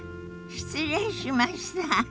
失礼しました。